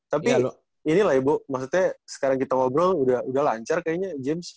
tapi inilah ya bu maksudnya sekarang kita ngobrol udah lancar kayaknya james